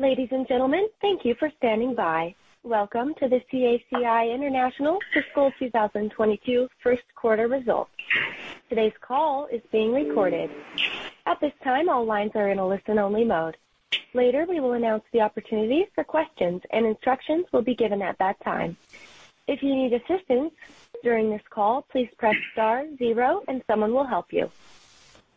Ladies and gentlemen, thank you for standing by. Welcome to the CACI International fiscal 2022 first quarter results. Today's call is being recorded. At this time, all lines are in a listen-only mode. Later, we will announce the opportunities for questions, and instructions will be given at that time. If you need assistance during this call, please press star, zero, and someone will help you.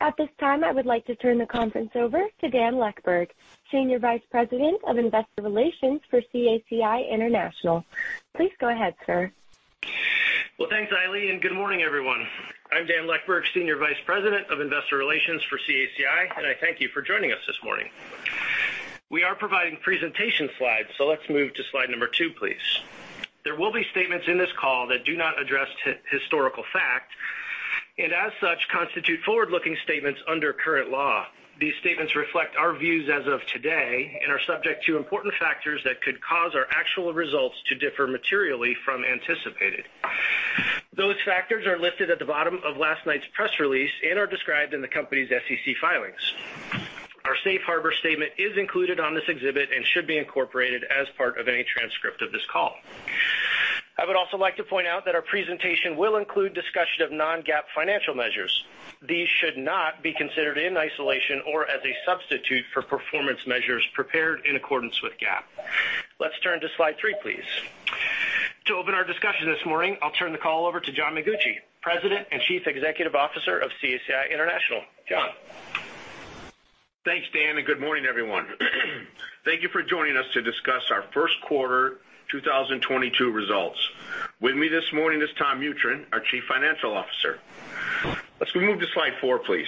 At this time, I would like to turn the conference over to Dan Leckburg, Senior Vice President of Investor Relations for CACI International. Please go ahead, sir. Thanks, Eileen, and good morning, everyone. I'm Dan Leckburg, Senior Vice President of Investor Relations for CACI, and I thank you for joining us this morning. We are providing presentation slides, so let's move to slide number two, please. There will be statements in this call that do not address historical fact and, as such, constitute forward-looking statements under current law. These statements reflect our views as of today and are subject to important factors that could cause our actual results to differ materially from anticipated. Those factors are listed at the bottom of last night's press release and are described in the company's SEC filings. Our safe harbor statement is included on this exhibit and should be incorporated as part of any transcript of this call. I would also like to point out that our presentation will include discussion of non-GAAP financial measures. These should not be considered in isolation or as a substitute for performance measures prepared in accordance with GAAP. Let's turn to slide three, please. To open our discussion this morning, I'll turn the call over to John Mengucci, President and Chief Executive Officer of CACI International. John. Thanks, Dan, and good morning, everyone. Thank you for joining us to discuss our first quarter 2022 results. With me this morning is Tom Mutryn, our Chief Financial Officer. Let's move to slide four, please.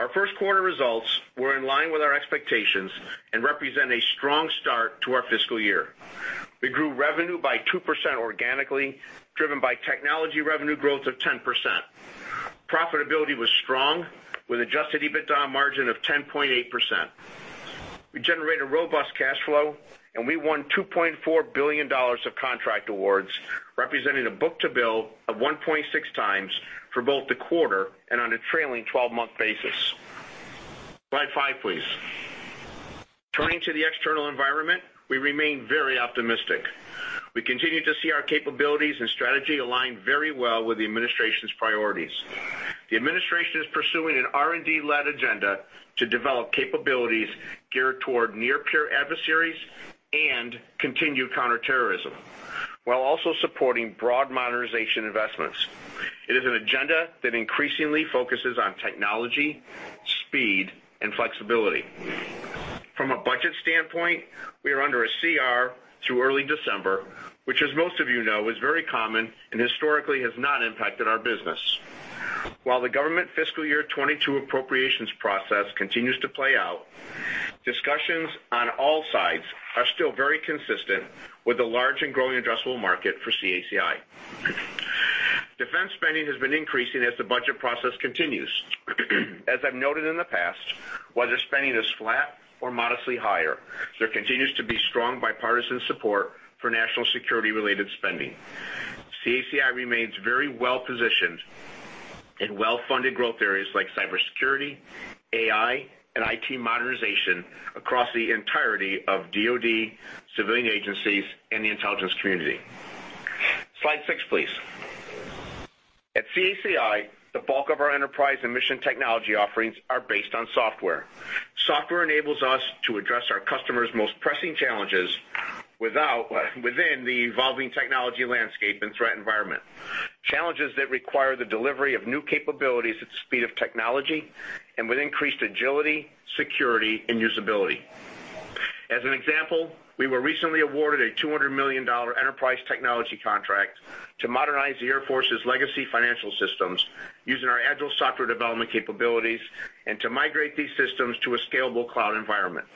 Our first quarter results were in line with our expectations and represent a strong start to our fiscal year. We grew revenue by 2% organically, driven by technology revenue growth of 10%. Profitability was strong, with an adjusted EBITDA margin of 10.8%. We generated robust cash flow, and we won $2.4 billion of contract awards, representing a book-to-bill of 1.6x for both the quarter and on a trailing 12-month basis. Slide five, please. Turning to the external environment, we remain very optimistic. We continue to see our capabilities and strategy align very well with the administration's priorities. The administration is pursuing an R&D-led agenda to develop capabilities geared toward near-peer adversaries and continued counterterrorism, while also supporting broad modernization investments. It is an agenda that increasingly focuses on technology, speed, and flexibility. From a budget standpoint, we are under a CR through early December, which, as most of you know, is very common and historically has not impacted our business. While the government fiscal year 2022 appropriations process continues to play out, discussions on all sides are still very consistent with the large and growing addressable market for CACI. Defense spending has been increasing as the budget process continues. As I've noted in the past, whether spending is flat or modestly higher, there continues to be strong bipartisan support for national security-related spending. CACI remains very well-positioned in well-funded growth areas like cybersecurity, AI, and IT modernization across the entirety of DoD, civilian agencies, and the Intelligence Community. Slide six, please. At CACI, the bulk of our enterprise and mission technology offerings are based on software. Software enables us to address our customers' most pressing challenges within the evolving technology landscape and threat environment. Challenges that require the delivery of new capabilities at the speed of technology and with increased agility, security, and usability. As an example, we were recently awarded a $200 million enterprise technology contract to modernize the Air Force's legacy financial systems using our agile software development capabilities and to migrate these systems to a scalable cloud environment.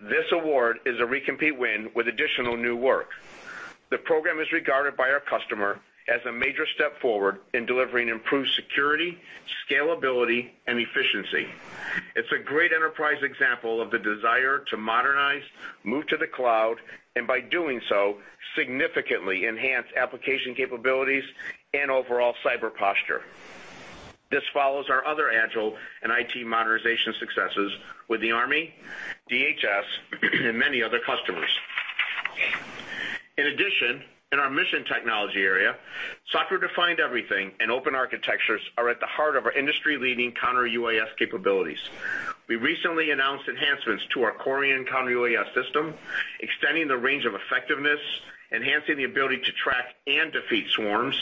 This award is a recompete win with additional new work. The program is regarded by our customer as a major step forward in delivering improved security, scalability, and efficiency. It's a great enterprise example of the desire to modernize, move to the cloud, and by doing so, significantly enhance application capabilities and overall cyber posture. This follows our other agile and IT modernization successes with the Army, DHS, and many other customers. In addition, in our mission technology area, software-defined everything and open architectures are at the heart of our industry-leading counter-UAS capabilities. We recently announced enhancements to our CORIAN counter-UAS system, extending the range of effectiveness, enhancing the ability to track and defeat swarms,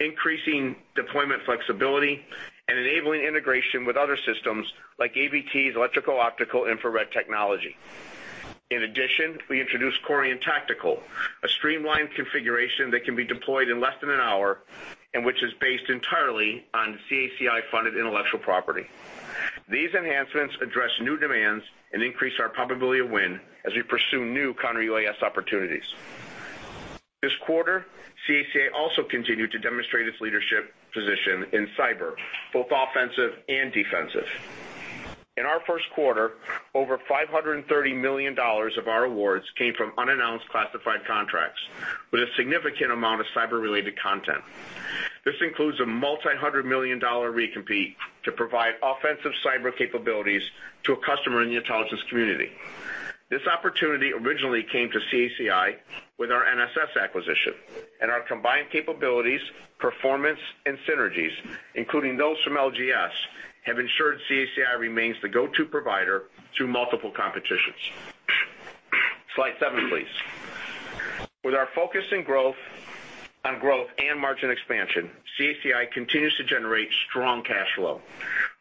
increasing deployment flexibility, and enabling integration with other systems like AVT's electro-optical infrared technology. In addition, we introduced CORIAN Tactical, a streamlined configuration that can be deployed in less than an hour and which is based entirely on CACI-funded intellectual property. These enhancements address new demands and increase our probability of win as we pursue new counter-UAS opportunities. This quarter, CACI also continued to demonstrate its leadership position in cyber, both offensive and defensive. In our first quarter, over $530 million of our awards came from unannounced classified contracts with a significant amount of cyber-related content. This includes a multi-hundred million dollar recompete to provide offensive cyber capabilities to a customer in the Intelligence Community. This opportunity originally came to CACI with our NSS acquisition, and our combined capabilities, performance, and synergies, including those from LGS, have ensured CACI remains the go-to provider through multiple competitions. Slide seven, please. With our focus on growth and margin expansion, CACI continues to generate strong cash flow.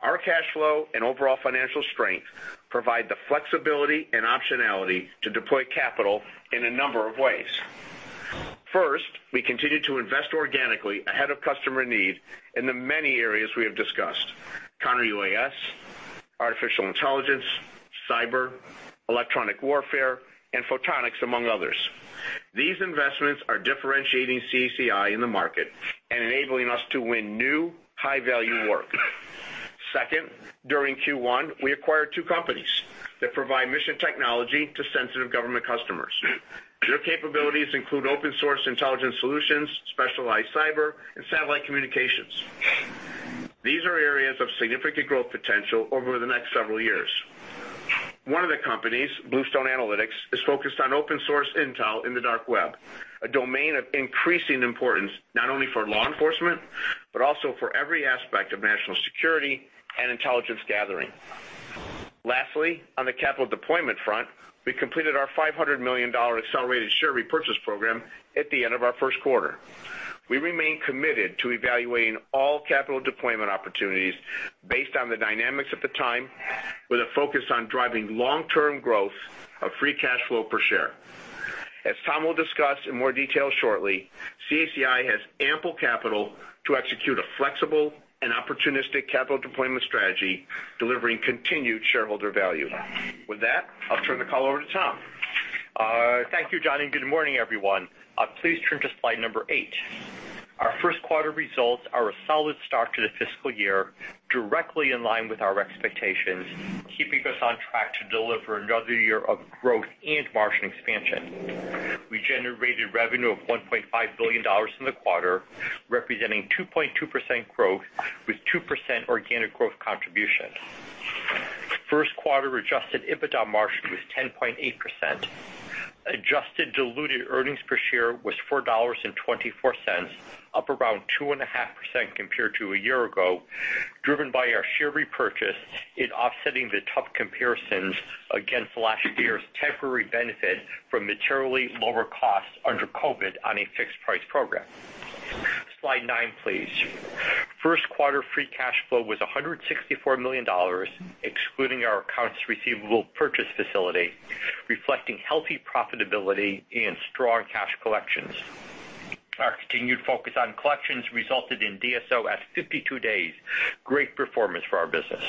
Our cash flow and overall financial strength provide the flexibility and optionality to deploy capital in a number of ways. First, we continue to invest organically ahead of customer need in the many areas we have discussed: counter-UAS, artificial intelligence, cyber, electronic warfare, and photonics, among others. These investments are differentiating CACI in the market and enabling us to win new high-value work. Second, during Q1, we acquired two companies that provide mission technology to sensitive government customers. Their capabilities include open-source intelligence solutions, specialized cyber, and satellite communications. These are areas of significant growth potential over the next several years. One of the companies, Bluestone Analytics, is focused on open-source intel in the dark web, a domain of increasing importance not only for law enforcement but also for every aspect of national security and intelligence gathering. Lastly, on the capital deployment front, we completed our $500 million accelerated share repurchase program at the end of our first quarter. We remain committed to evaluating all capital deployment opportunities based on the dynamics at the time, with a focus on driving long-term growth of free cash flow per share. As Tom will discuss in more detail shortly, CACI has ample capital to execute a flexible and opportunistic capital deployment strategy, delivering continued shareholder value. With that, I'll turn the call over to Tom. Thank you, John, and good morning, everyone. Please turn to slide number eight. Our first quarter results are a solid start to the fiscal year, directly in line with our expectations, keeping us on track to deliver another year of growth and margin expansion. We generated revenue of $1.5 billion in the quarter, representing 2.2% growth with 2% organic growth contribution. First quarter adjusted EBITDA margin was 10.8%. Adjusted diluted earnings per share was $4.24, up around 2.5% compared to a year ago, driven by our share repurchase in offsetting the tough comparisons against last year's temporary benefit from materially lower costs under COVID on a fixed-price program. Slide nine, please. First quarter free cash flow was $164 million, excluding our accounts receivable purchase facility, reflecting healthy profitability and strong cash collections. Our continued focus on collections resulted in DSO at 52 days, great performance for our business.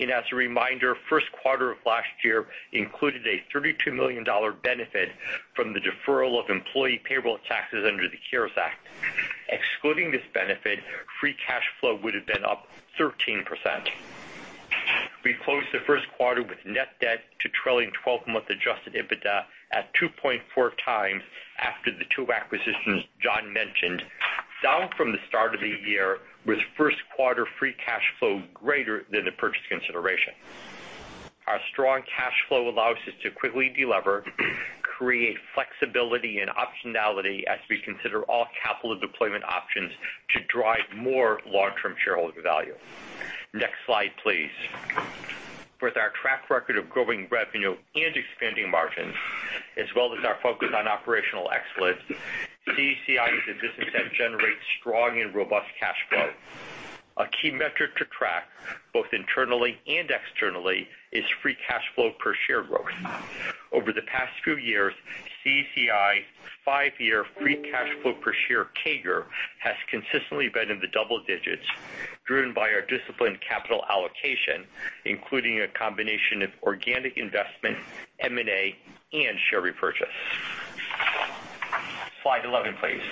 As a reminder, first quarter of last year included a $32 million benefit from the deferral of employee payroll taxes under the CARES Act. Excluding this benefit, free cash flow would have been up 13%. We closed the first quarter with net debt to trailing 12-month adjusted EBITDA at 2.4x after the two acquisitions John mentioned, down from the start of the year with first quarter free cash flow greater than the purchase consideration. Our strong cash flow allows us to quickly deliver, create flexibility, and optionality as we consider all capital deployment options to drive more long-term shareholder value. Next slide, please. With our track record of growing revenue and expanding margins, as well as our focus on operational excellence, CACI is a business that generates strong and robust cash flow. A key metric to track, both internally and externally, is free cash flow per share growth. Over the past few years, CACI's five-year free cash flow per share CAGR has consistently been in the double digits, driven by our disciplined capital allocation, including a combination of organic investment, M&A, and share repurchase. Slide 11, please.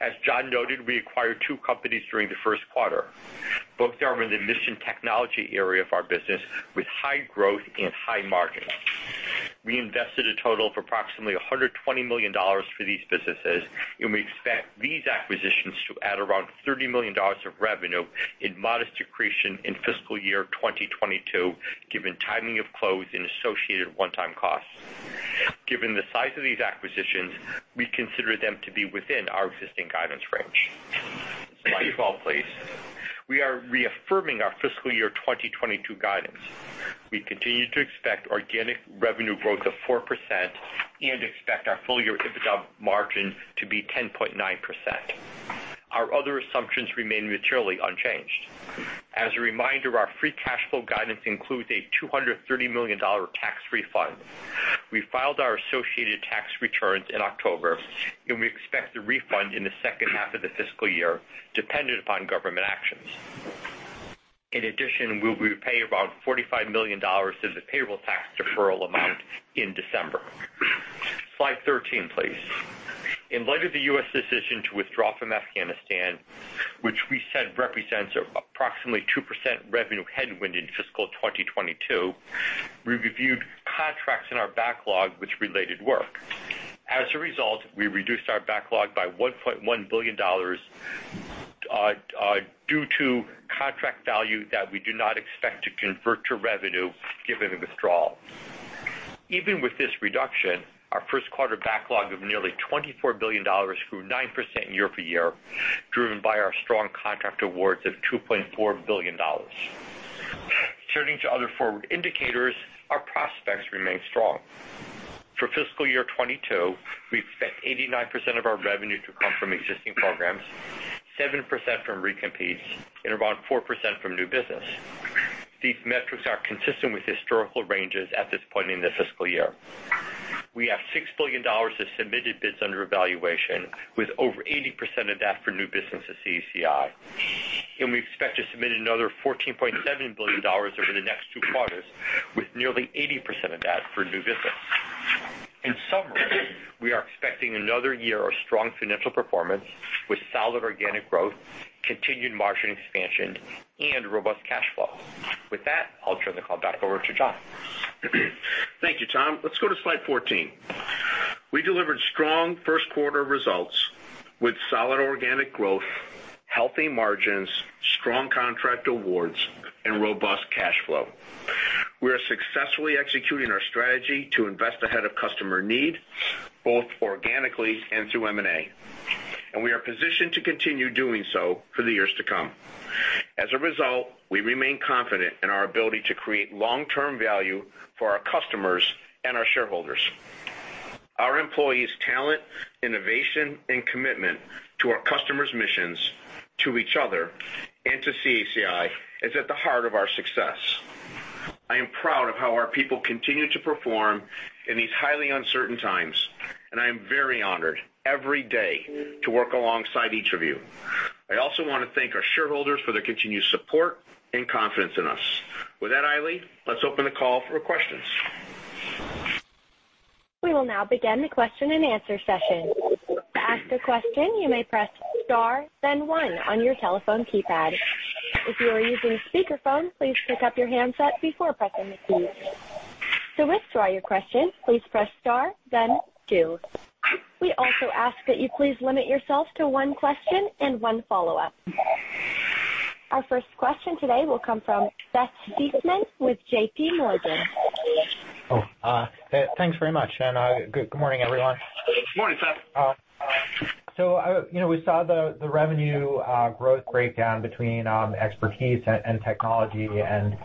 As John noted, we acquired two companies during the first quarter. Both are in the mission technology area of our business with high growth and high margins. We invested a total of approximately $120 million for these businesses, and we expect these acquisitions to add around $30 million of revenue with modest accretion in fiscal year 2022, given timing of close and associated one-time costs. Given the size of these acquisitions, we consider them to be within our existing guidance range. Slide 12, please. We are reaffirming our fiscal year 2022 guidance. We continue to expect organic revenue growth of 4% and expect our full-year EBITDA margin to be 10.9%. Our other assumptions remain materially unchanged. As a reminder, our free cash flow guidance includes a $230 million tax refund. We filed our associated tax returns in October, and we expect the refund in the second half of the fiscal year, dependent upon government actions. In addition, we will repay around $45 million of the payroll tax deferral amount in December. Slide 13, please. In light of the U.S. decision to withdraw from Afghanistan, which we said represents approximately 2% revenue headwind in fiscal 2022, we reviewed contracts in our backlog with related work. As a result, we reduced our backlog by $1.1 billion due to contract value that we do not expect to convert to revenue given the withdrawal. Even with this reduction, our first quarter backlog of nearly $24 billion grew 9% year-over-year, driven by our strong contract awards of $2.4 billion. Turning to other forward indicators, our prospects remain strong. For fiscal year 2022, we expect 89% of our revenue to come from existing programs, 7% from recompetes, and around 4% from new business. These metrics are consistent with historical ranges at this point in the fiscal year. We have $6 billion of submitted bids under evaluation, with over 80% of that for new business at CACI. And we expect to submit another $14.7 billion over the next two quarters, with nearly 80% of that for new business. In summary, we are expecting another year of strong financial performance with solid organic growth, continued margin expansion, and robust cash flow. With that, I'll turn the call back over to John. Thank you, Tom. Let's go to slide 14. We delivered strong first-quarter results with solid organic growth, healthy margins, strong contract awards, and robust cash flow. We are successfully executing our strategy to invest ahead of customer need, both organically and through M&A, and we are positioned to continue doing so for the years to come. As a result, we remain confident in our ability to create long-term value for our customers and our shareholders. Our employees' talent, innovation, and commitment to our customers' missions, to each other, and to CACI is at the heart of our success. I am proud of how our people continue to perform in these highly uncertain times, and I am very honored every day to work alongside each of you. I also want to thank our shareholders for their continued support and confidence in us. With that, Eileen, let's open the call for questions. We will now begin the question-and-answer session. To ask a question, you may press star, then one on your telephone keypad. If you are using speakerphone, please pick up your handset before pressing the key. To withdraw your question, please press star, then two. We also ask that you please limit yourself to one question and one follow-up. Our first question today will come from Seth Seifman with JPMorgan. Oh, thanks very much. And good morning, everyone. Good morning, Seth. So we saw the revenue growth breakdown between expertise and technology. And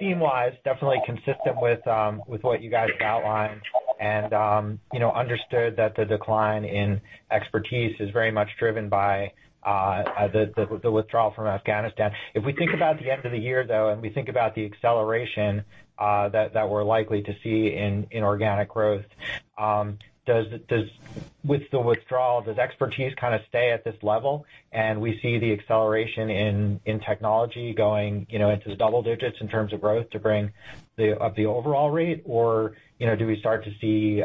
theme-wise, definitely consistent with what you guys outlined and understood that the decline in expertise is very much driven by the withdrawal from Afghanistan. If we think about the end of the year, though, and we think about the acceleration that we're likely to see in organic growth, with the withdrawal, does expertise kind of stay at this level? And we see the acceleration in technology going into the double digits in terms of growth to bring up the overall rate, or do we start to see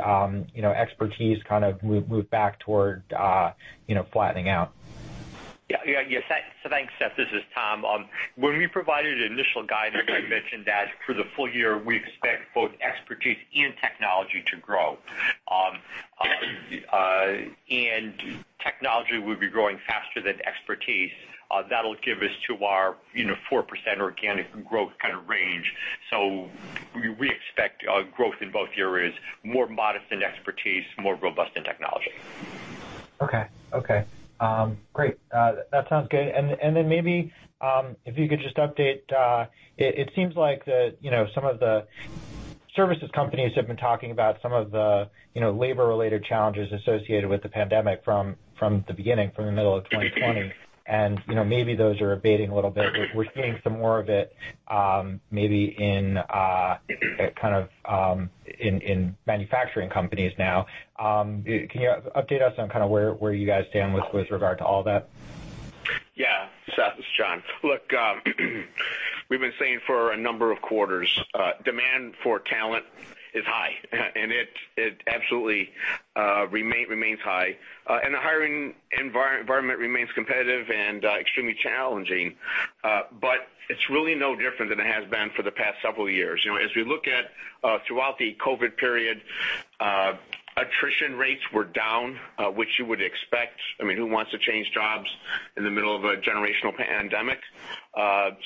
expertise kind of move back toward flattening out? Yeah, so thanks, Seth. This is Tom. When we provided initial guidance, I mentioned that for the full year, we expect both expertise and technology to grow, and technology will be growing faster than expertise. That'll give us to our 4% organic growth kind of range, so we expect growth in both areas, more modest in expertise, more robust in technology. Okay. Okay. Great. That sounds good. And then maybe if you could just update, it seems like some of the services companies have been talking about some of the labor-related challenges associated with the pandemic from the beginning, from the middle of 2020. And maybe those are abating a little bit. We're seeing some more of it maybe kind of in manufacturing companies now. Can you update us on kind of where you guys stand with regard to all that? Yeah. Seth, this is John. Look, we've been seeing for a number of quarters, demand for talent is high, and it absolutely remains high, and the hiring environment remains competitive and extremely challenging, but it's really no different than it has been for the past several years. As we look at throughout the COVID period, attrition rates were down, which you would expect. I mean, who wants to change jobs in the middle of a generational pandemic,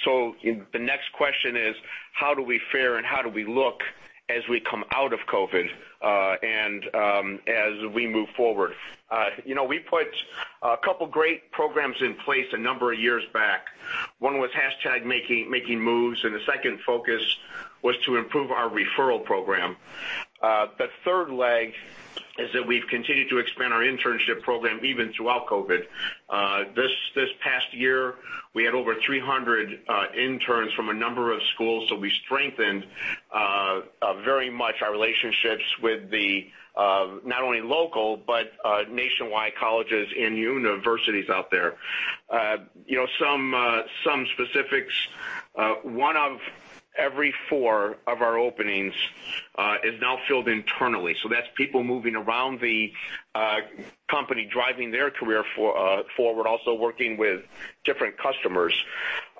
so the next question is, how do we fare and how do we look as we come out of COVID and as we move forward? We put a couple of great programs in place a number of years back. One was hashtag Making Moves, and the second focus was to improve our referral program. The third leg is that we've continued to expand our internship program even throughout COVID. This past year, we had over 300 interns from a number of schools, so we strengthened very much our relationships with the not only local but nationwide colleges and universities out there. Some specifics: one of every four of our openings is now filled internally. That's people moving around the company, driving their career forward, also working with different customers,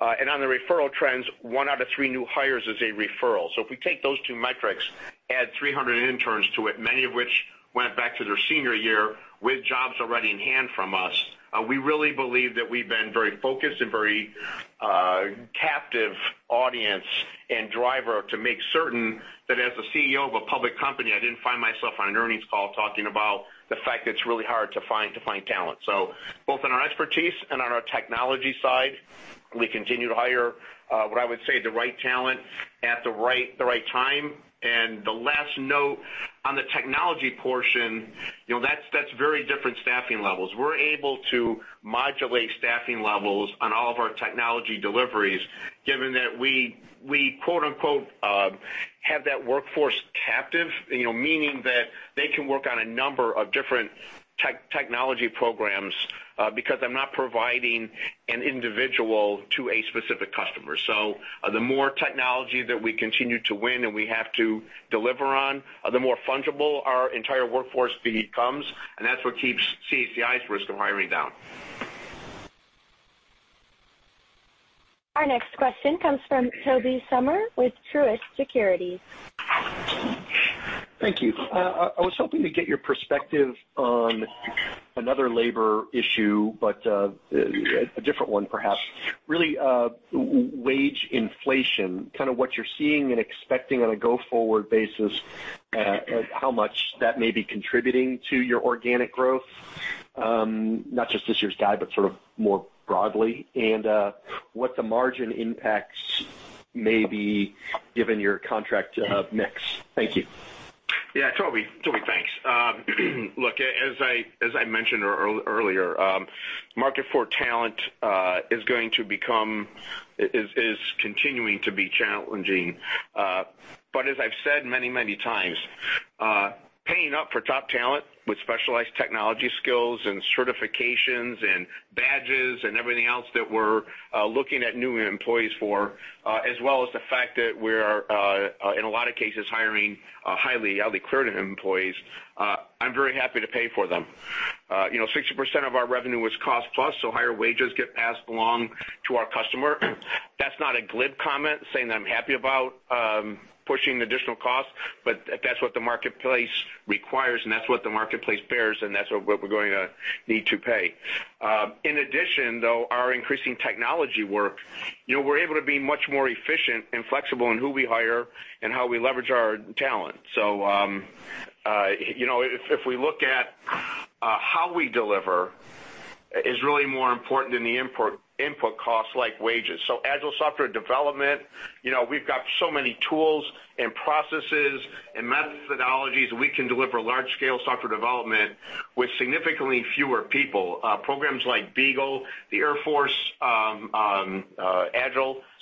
and on the referral trends, one out of three new hires is a referral. If we take those two metrics, add 300 interns to it, many of which went back to their senior year with jobs already in hand from us, we really believe that we've been very focused and very captive audience and driver to make certain that as a CEO of a public company, I didn't find myself on an earnings call talking about the fact that it's really hard to find talent. Both on our expertise and on our technology side, we continue to hire what I would say the right talent at the right time. The last note on the technology portion, that's very different staffing levels. We're able to modulate staffing levels on all of our technology deliveries, given that we "have that workforce captive," meaning that they can work on a number of different technology programs because I'm not providing an individual to a specific customer. The more technology that we continue to win and we have to deliver on, the more fungible our entire workforce becomes, and that's what keeps CACI's risk of hiring down. Our next question comes from Tobey Sommer with Truist Securities. Thank you. I was hoping to get your perspective on another labor issue, but a different one perhaps. Really, wage inflation, kind of what you're seeing and expecting on a go-forward basis, how much that may be contributing to your organic growth, not just this year's guide, but sort of more broadly, and what the margin impacts may be given your contract mix. Thank you. Yeah. Tobey, thanks. Look, as I mentioned earlier, the market for talent is continuing to be challenging. But as I've said many, many times, paying up for top talent with specialized technology skills and certifications and badges and everything else that we're looking at new employees for, as well as the fact that we're, in a lot of cases, hiring highly accredited employees, I'm very happy to pay for them. 60% of our revenue is cost-plus, so higher wages get passed along to our customer. That's not a glib comment saying that I'm happy about pushing additional costs, but that's what the marketplace requires, and that's what the marketplace bears, and that's what we're going to need to pay. In addition, though, our increasing technology work, we're able to be much more efficient and flexible in who we hire and how we leverage our talent. So if we look at how we deliver, it's really more important than the input costs like wages. So agile software development, we've got so many tools and processes and methodologies we can deliver large-scale software development with significantly fewer people. Programs like BEAGLE, the Air Force Agile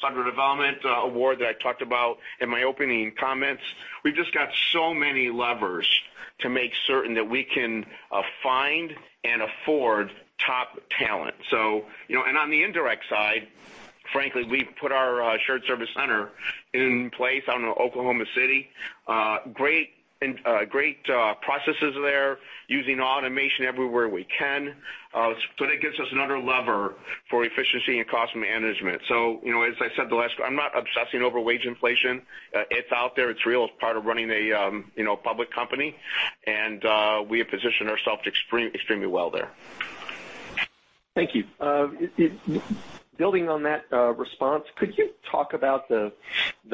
Software Development Award that I talked about in my opening comments, we've just got so many levers to make certain that we can find and afford top talent. And on the indirect side, frankly, we've put our shared service center in place out in Oklahoma City. Great processes there using automation everywhere we can. So that gives us another lever for efficiency and cost management. So as I said the last, I'm not obsessing over wage inflation. It's out there. It's real. It's part of running a public company. And we have positioned ourselves extremely well there. Thank you. Building on that response, could you talk about the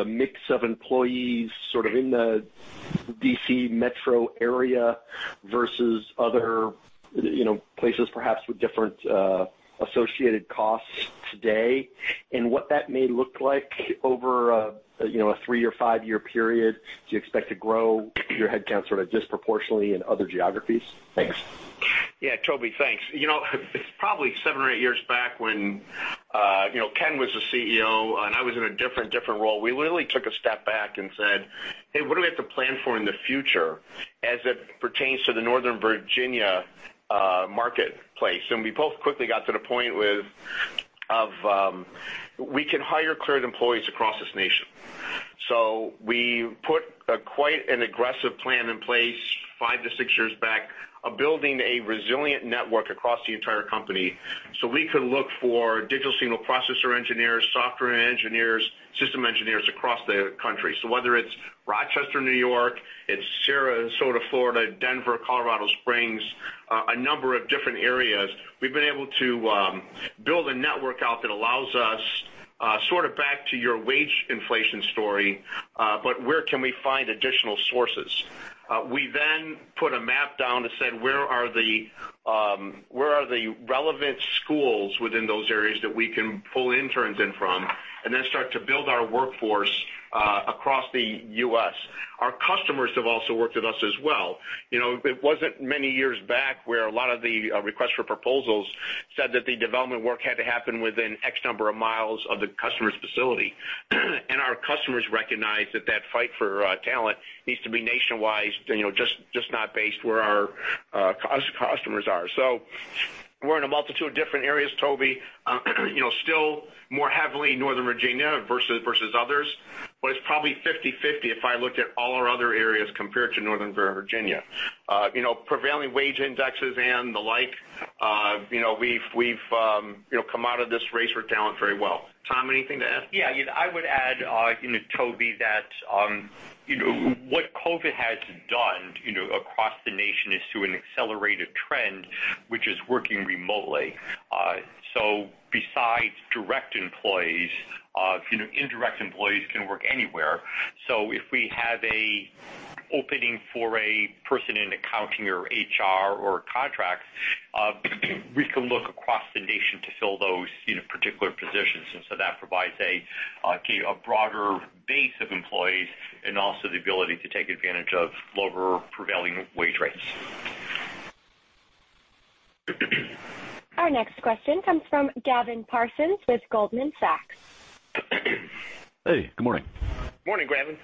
mix of employees sort of in the DC metro area versus other places perhaps with different associated costs today and what that may look like over a three- or five-year period? Do you expect to grow your headcount sort of disproportionately in other geographies? Thanks. Yeah. Toby, thanks. It's probably seven or eight years back when Ken was the CEO, and I was in a different role. We really took a step back and said, "Hey, what do we have to plan for in the future as it pertains to the Northern Virginia marketplace?" And we both quickly got to the point of we can hire accredited employees across this nation. So we put quite an aggressive plan in place five to six years back of building a resilient network across the entire company so we could look for digital signal processor engineers, software engineers, system engineers across the country. So whether it's Rochester, New York, it's Sarasota, Florida, Denver, Colorado Springs, a number of different areas, we've been able to build a network out that allows us sort of back to your wage inflation story, but where can we find additional sources? We then put a map down and said, "Where are the relevant schools within those areas that we can pull interns in from?" And then start to build our workforce across the U.S. Our customers have also worked with us as well. It wasn't many years back where a lot of the requests for proposals said that the development work had to happen within X number of miles of the customer's facility. And our customers recognize that that fight for talent needs to be nationwide, just not based where our customers are. So we're in a multitude of different areas, Toby. Still more heavily Northern Virginia versus others, but it's probably 50/50 if I looked at all our other areas compared to Northern Virginia. Prevailing wage indexes and the like, we've come out of this race for talent very well. Tom, anything to add? Yeah. I would add, Tobey, that what COVID has done across the nation is to an accelerated trend, which is working remotely. So besides direct employees, indirect employees can work anywhere. So if we have an opening for a person in accounting or HR or contracts, we can look across the nation to fill those particular positions. And so that provides a broader base of employees and also the ability to take advantage of lower prevailing wage rates. Our next question comes from Gavin Parsons with Goldman Sachs. Hey. Good morning. Morning, Gavin.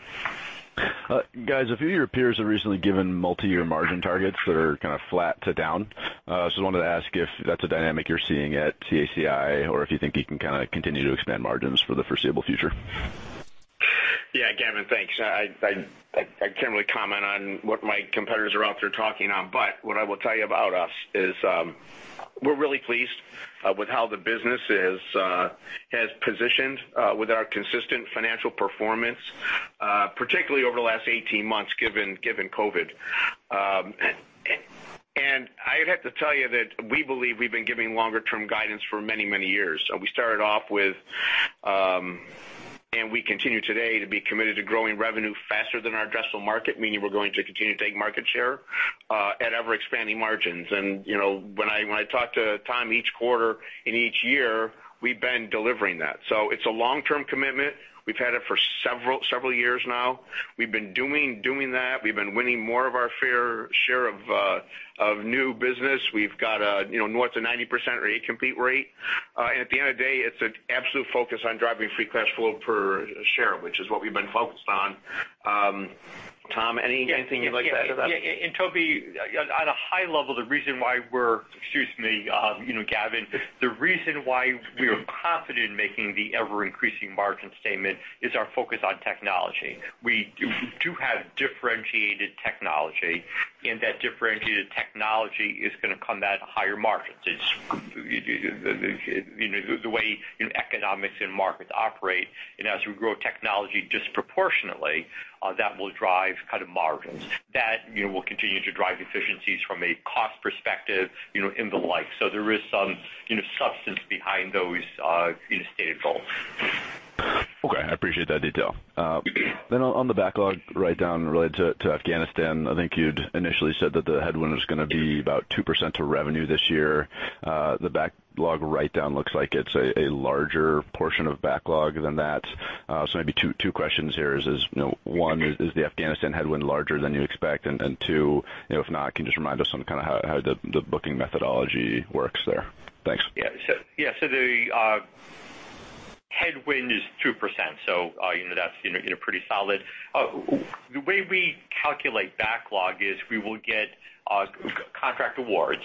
Guys, a few of your peers have recently given multi-year margin targets that are kind of flat to down. So I wanted to ask if that's a dynamic you're seeing at CACI or if you think you can kind of continue to expand margins for the foreseeable future? Yeah. Gavin, thanks. I can't really comment on what my competitors are out there talking on, but what I will tell you about us is we're really pleased with how the business has positioned with our consistent financial performance, particularly over the last 18 months given COVID. And I'd have to tell you that we believe we've been giving longer-term guidance for many, many years. We started off with, and we continue today to be committed to growing revenue faster than our addressable market, meaning we're going to continue to take market share at ever-expanding margins. And when I talk to Tom each quarter and each year, we've been delivering that. So it's a long-term commitment. We've had it for several years now. We've been doing that. We've been winning more of our fair share of new business. We've got north of 90% or 80% recompete rate. At the end of the day, it's an absolute focus on driving free cash flow per share, which is what we've been focused on. Tom, anything you'd like to add to that? Yeah. And Toby, on a high level, the reason why we're, excuse me, Gavin, the reason why we are confident in making the ever-increasing margin statement is our focus on technology. We do have differentiated technology, and that differentiated technology is going to come at higher margins. It's the way economics and markets operate. And as we grow technology disproportionately, that will drive costs out of margins. That will continue to drive efficiencies from a cost perspective and the like. So there is some substance behind those stated goals. Okay. I appreciate that detail. Then on the backlog write-down related to Afghanistan, I think you'd initially said that the headwind was going to be about 2% to revenue this year. The backlog write-down looks like it's a larger portion of backlog than that. So maybe two questions here: one, is the Afghanistan headwind larger than you expect? And two, if not, can you just remind us on kind of how the booking methodology works there? Thanks. Yeah. So the headwind is 2%. So that's pretty solid. The way we calculate backlog is we will get contract awards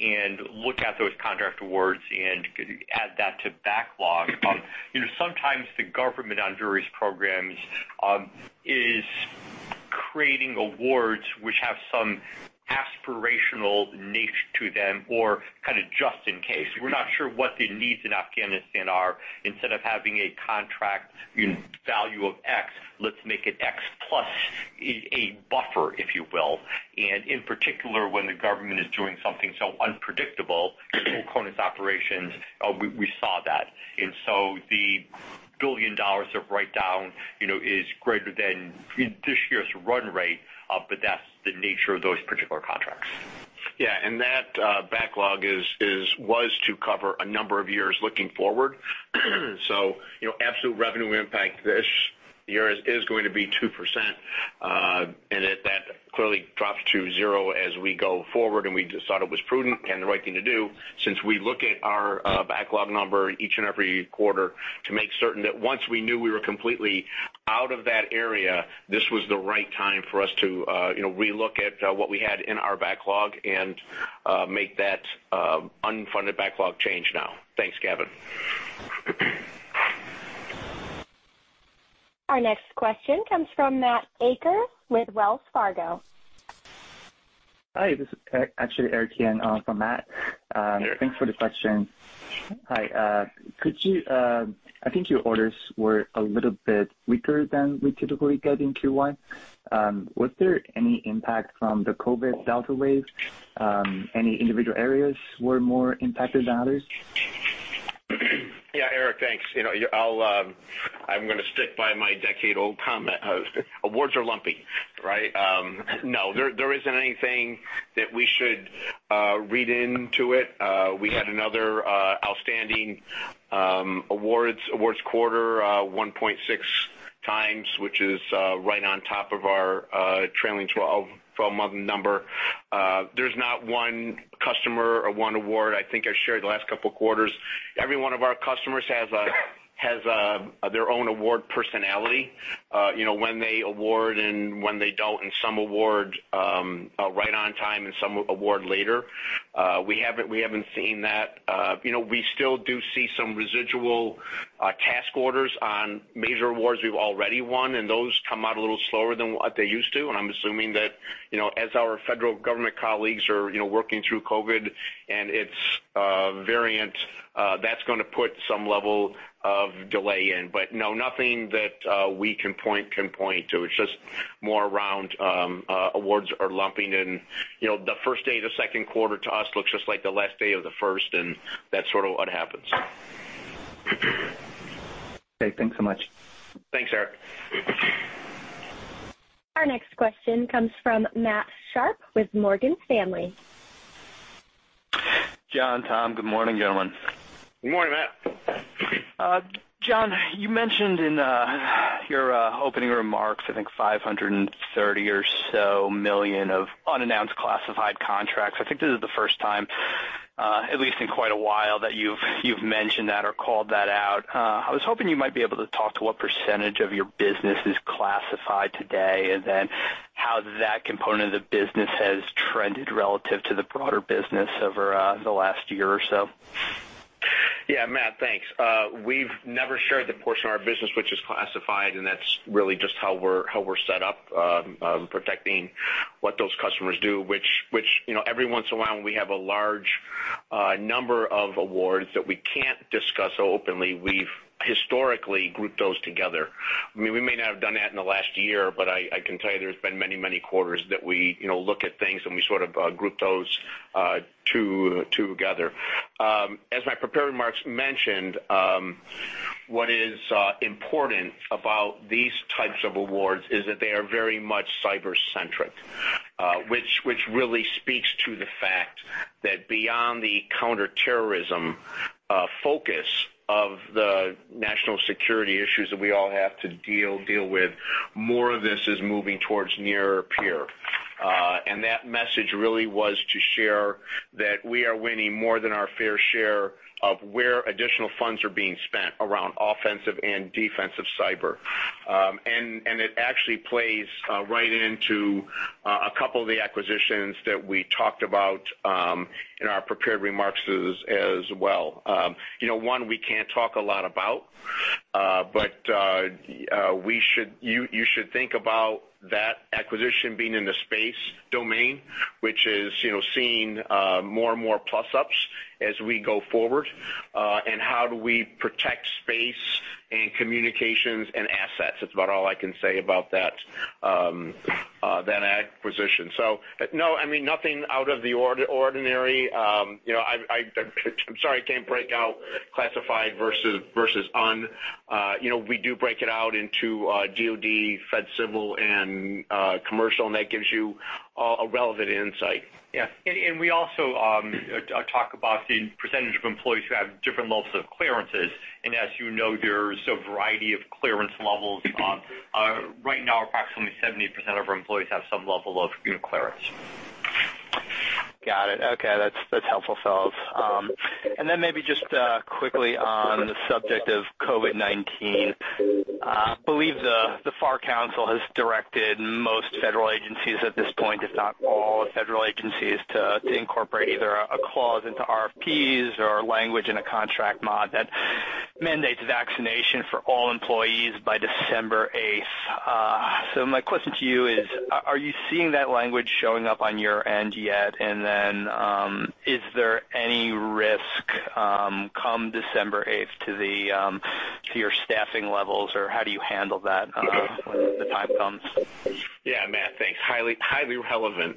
and look at those contract awards and add that to backlog. Sometimes the government on various programs is creating awards which have some aspirational nature to them or kind of just in case. We're not sure what the needs in Afghanistan are. Instead of having a contract value of X, let's make it X plus a buffer, if you will. And in particular, when the government is doing something so unpredictable, the combat operations, we saw that. And so the $1 billion of write-down is greater than this year's run rate, but that's the nature of those particular contracts. Yeah, and that backlog was to cover a number of years looking forward, so absolute revenue impact this year is going to be 2%, and that clearly drops to zero as we go forward, and we just thought it was prudent and the right thing to do since we look at our backlog number each and every quarter to make certain that once we knew we were completely out of that area, this was the right time for us to relook at what we had in our backlog and make that unfunded backlog change now. Thanks, Gavin. Our next question comes from Matt Akers with Wells Fargo. Hi. This is actually Eric Yan on for Matt. Thanks for the question. Hi. I think your orders were a little bit weaker than we typically get in Q1. Was there any impact from the COVID delta wave? Any individual areas were more impacted than others? Yeah. Eric, thanks. I'm going to stick by my decade-old comment. Awards are lumpy, right? No. There isn't anything that we should read into it. We had another outstanding awards quarter, 1.6x, which is right on top of our trailing 12-month number. There's not one customer or one award. I think I shared the last couple of quarters. Every one of our customers has their own award personality when they award and when they don't. And some award right on time and some award later. We haven't seen that. We still do see some residual task orders on major awards we've already won, and those come out a little slower than what they used to. And I'm assuming that as our federal government colleagues are working through COVID and its variant, that's going to put some level of delay in. But no, nothing that we can point to. It's just more around awards are lumping in. The first day of the second quarter to us looks just like the last day of the first, and that's sort of what happens. Okay. Thanks so much. Thanks, Eric. Our next question comes from Matt Sharpe with Morgan Stanley. John, Tom, good morning, gentlemen. Good morning, Matt. John, you mentioned in your opening remarks, I think, $530 or so million of unannounced classified contracts. I think this is the first time, at least in quite a while, that you've mentioned that or called that out. I was hoping you might be able to talk to what percentage of your business is classified today and then how that component of the business has trended relative to the broader business over the last year or so. Yeah. Matt, thanks. We've never shared the portion of our business which is classified, and that's really just how we're set up, protecting what those customers do, which every once in a while, when we have a large number of awards that we can't discuss openly, we've historically grouped those together. I mean, we may not have done that in the last year, but I can tell you there's been many, many quarters that we look at things and we sort of group those together. As my prepared remarks mentioned, what is important about these types of awards is that they are very much cyber-centric, which really speaks to the fact that beyond the counterterrorism focus of the national security issues that we all have to deal with, more of this is moving towards near-peer. And that message really was to share that we are winning more than our fair share of where additional funds are being spent around offensive and defensive cyber. And it actually plays right into a couple of the acquisitions that we talked about in our prepared remarks as well. One, we can't talk a lot about, but you should think about that acquisition being in the space domain, which is seeing more and more plus-ups as we go forward, and how do we protect space and communications and assets. That's about all I can say about that acquisition. So no, I mean, nothing out of the ordinary. I'm sorry I can't break out classified versus un. We do break it out into DoD, FedCivil, and commercial, and that gives you a relevant insight. Yeah, and we also talk about the percentage of employees who have different levels of clearances, and as you know, there's a variety of clearance levels. Right now, approximately 70% of our employees have some level of clearance. Got it. Okay. That's helpful, fellows. And then maybe just quickly on the subject of COVID-19, I believe the FAR Council has directed most federal agencies at this point, if not all federal agencies, to incorporate either a clause into RFPs or language in a contract mod that mandates vaccination for all employees by December 8th. So my question to you is, are you seeing that language showing up on your end yet? And then is there any risk come December 8th to your staffing levels, or how do you handle that when the time comes? Yeah. Matt, thanks. Highly relevant.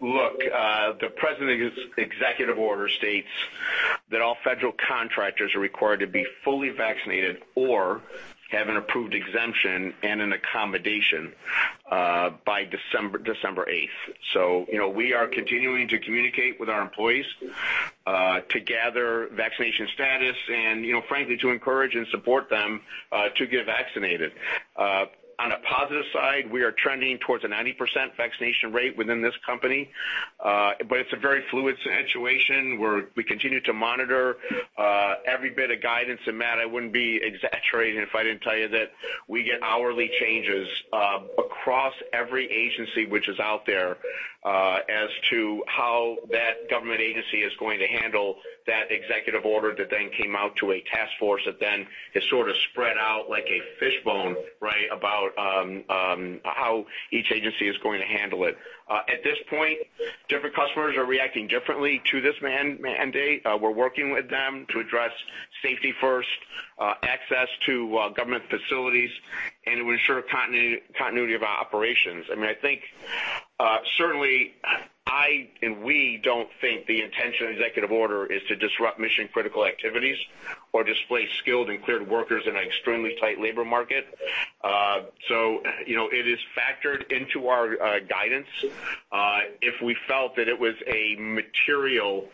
Look, the President's executive order states that all federal contractors are required to be fully vaccinated or have an approved exemption and an accommodation by December 8th. So we are continuing to communicate with our employees to gather vaccination status and, frankly, to encourage and support them to get vaccinated. On a positive side, we are trending towards a 90% vaccination rate within this company, but it's a very fluid situation where we continue to monitor every bit of guidance. And Matt, I wouldn't be exaggerating if I didn't tell you that we get hourly changes across every agency which is out there as to how that government agency is going to handle that executive order that then came out to a task force that then is sort of spread out like a fishbone, right, about how each agency is going to handle it. At this point, different customers are reacting differently to this mandate. We're working with them to address safety first, access to government facilities, and to ensure continuity of our operations. I mean, I think certainly I and we don't think the intent of the executive order is to disrupt mission-critical activities or displace skilled and cleared workers in an extremely tight labor market. So it is factored into our guidance. If we felt that it was a material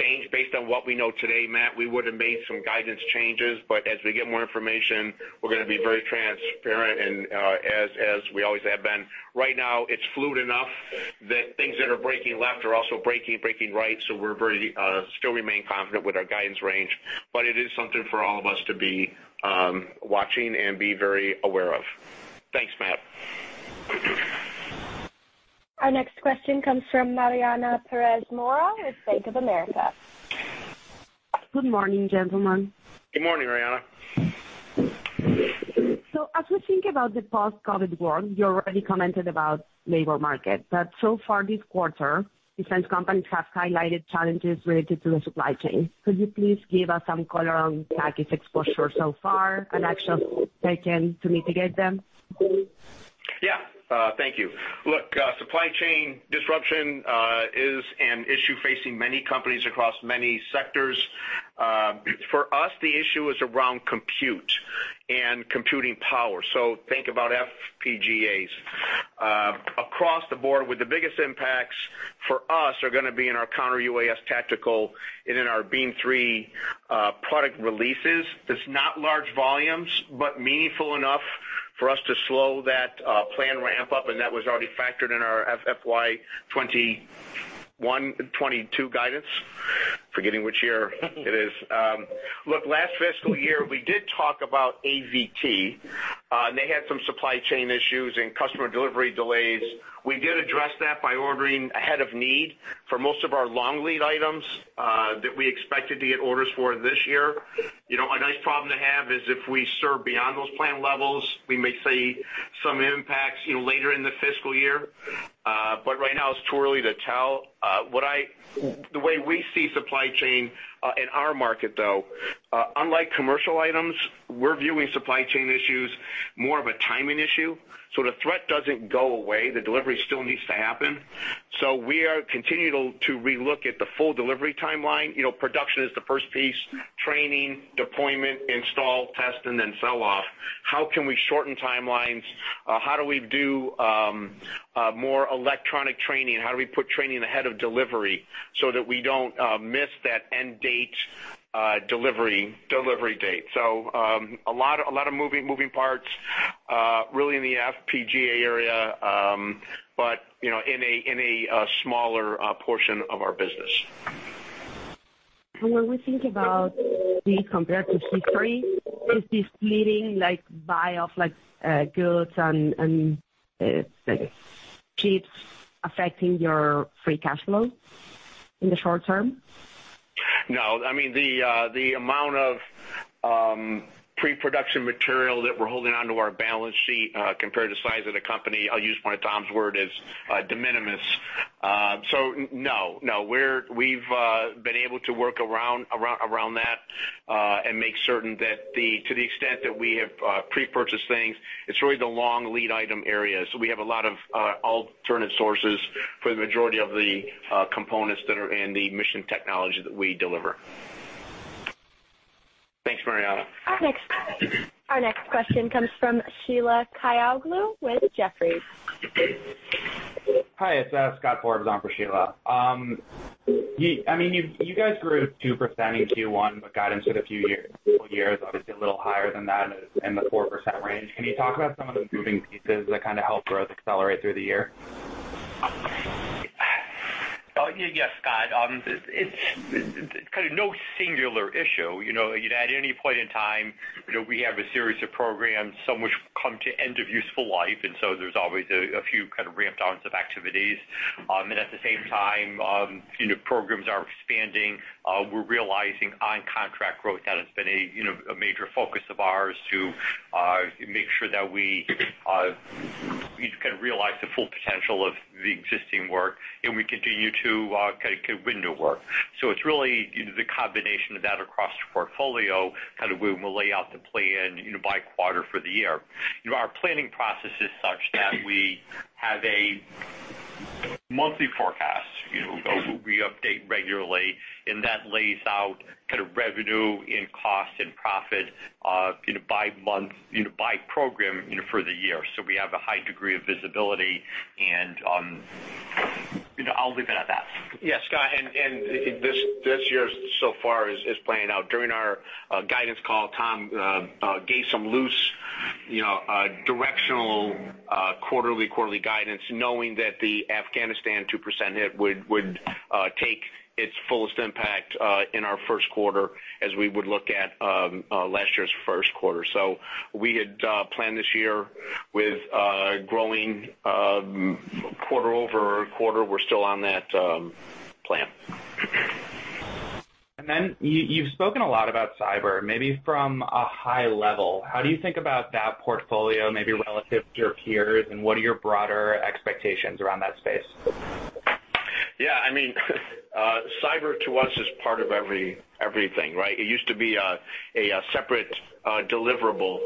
change based on what we know today, Matt, we would have made some guidance changes. But as we get more information, we're going to be very transparent as we always have been. Right now, it's fluid enough that things that are breaking left are also breaking right. So we still remain confident with our guidance range. But it is something for all of us to be watching and be very aware of. Thanks, Matt. Our next question comes from Mariana Pérez Mora with Bank of America. Good morning, gentlemen. Good morning, Mariana. So as we think about the post-COVID world, you already commented about labor market. But so far this quarter, defense companies have highlighted challenges related to the supply chain. Could you please give us some color on CACI's exposure so far and actions taken to mitigate them? Yeah. Thank you. Look, supply chain disruption is an issue facing many companies across many sectors. For us, the issue is around compute and computing power. So think about FPGAs. Across the board, with the biggest impacts for us are going to be in our counter-UAS tactical and in our BEAM 3 product releases. It's not large volumes, but meaningful enough for us to slow that plan ramp up. And that was already factored in our FY 2021, 2022 guidance. Forgetting which year it is. Look, last fiscal year, we did talk about AVT. They had some supply chain issues and customer delivery delays. We did address that by ordering ahead of need for most of our long lead items that we expected to get orders for this year. A nice problem to have is if we serve beyond those plan levels, we may see some impacts later in the fiscal year. But right now, it's too early to tell. The way we see supply chain in our market, though, unlike commercial items, we're viewing supply chain issues more of a timing issue. So the threat doesn't go away. The delivery still needs to happen. So we are continuing to relook at the full delivery timeline. Production is the first piece: training, deployment, install, test, and then sell off. How can we shorten timelines? How do we do more electronic training? How do we put training ahead of delivery so that we don't miss that end date delivery date? So a lot of moving parts really in the FPGA area, but in a smaller portion of our business. When we think about it compared to history, is this leading buyoff like goods and chips affecting your free cash flow in the short term? No. I mean, the amount of pre-production material that we're holding onto our balance sheet compared to size of the company, I'll use one of Tom's words, is de minimis. So no, no. We've been able to work around that and make certain that to the extent that we have pre-purchased things, it's really the long lead item areas. We have a lot of alternative sources for the majority of the components that are in the mission technology that we deliver. Thanks, Mariana. Our next question comes from Sheila Kahyaoglu with Jefferies. Hi. It's Scott Forbes for Sheila. I mean, you guys grew 2% in Q1, but guidance for the few years, obviously, a little higher than that in the 4% range. Can you talk about some of the moving pieces that kind of helped growth accelerate through the year? Yes, Scott. It's kind of no singular issue. At any point in time, we have a series of programs some which come to end of useful life. And so there's always a few kind of ramp-downs of activities. And at the same time, programs are expanding. We're realizing on-contract growth that has been a major focus of ours to make sure that we can realize the full potential of the existing work and we continue to kind of win the work. So it's really the combination of that across the portfolio kind of when we lay out the plan by quarter for the year. Our planning process is such that we have a monthly forecast. We update regularly, and that lays out kind of revenue and cost and profit by month, by program for the year. So we have a high degree of visibility, and I'll leave it at that. Yeah, Scott. And this year so far is playing out. During our guidance call, Tom gave some loose directional quarterly guidance, knowing that the Afghanistan 2% hit would take its fullest impact in our first quarter as we would look at last year's first quarter. So we had planned this year with growing quarter over quarter. We're still on that plan. You've spoken a lot about cyber. Maybe from a high level, how do you think about that portfolio maybe relative to your peers, and what are your broader expectations around that space? Yeah. I mean, cyber to us is part of everything, right? It used to be a separate deliverable.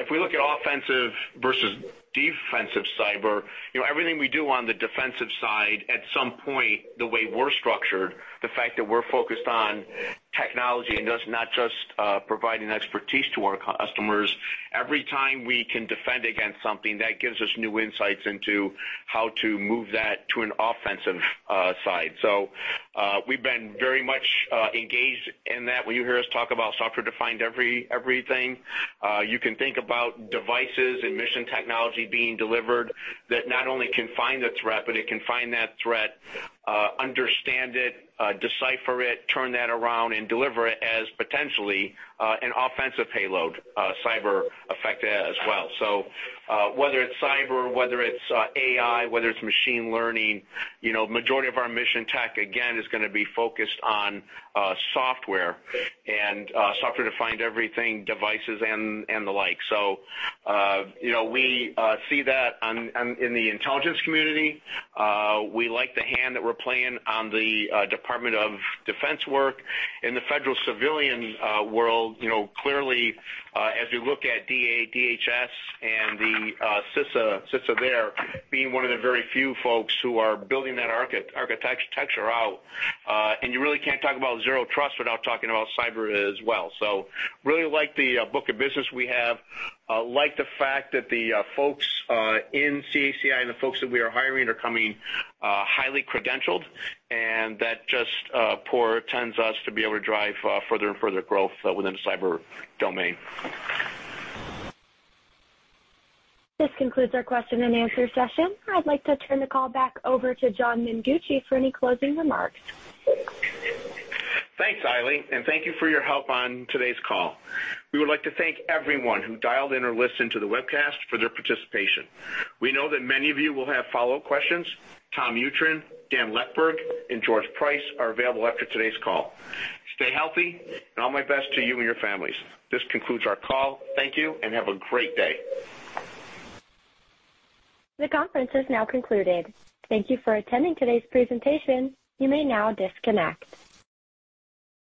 If we look at offensive versus defensive cyber, everything we do on the defensive side at some point, the way we're structured, the fact that we're focused on technology and us not just providing expertise to our customers, every time we can defend against something, that gives us new insights into how to move that to an offensive side. So we've been very much engaged in that. When you hear us talk about software-defined everything, you can think about devices and mission technology being delivered that not only can find the threat, but it can find that threat, understand it, decipher it, turn that around, and deliver it as potentially an offensive payload cyber-affected as well. So whether it's cyber, whether it's AI, whether it's machine learning, the majority of our mission tech, again, is going to be focused on software and software-defined everything, devices, and the like. So we see that in the Intelligence Community. We like the hand that we're playing on the Department of Defense work. In the federal civilian world, clearly, as we look at DEA, DHS, and the CISA there, being one of the very few folks who are building that architecture out. And you really can't talk about zero trust without talking about cyber as well. So really like the book of business we have, like the fact that the folks in CACI and the folks that we are hiring are coming highly credentialed and that just portends us to be able to drive further and further growth within the cyber domain. This concludes our question and answer session. I'd like to turn the call back over to John Mengucci for any closing remarks. Thanks, Eileen, and thank you for your help on today's call. We would like to thank everyone who dialed in or listened to the webcast for their participation. We know that many of you will have follow-up questions. Tom Mutryn, Dan Leckburg, and George Price are available after today's call. Stay healthy, and all my best to you and your families. This concludes our call. Thank you, and have a great day. The conference has now concluded. Thank you for attending today's presentation. You may now disconnect.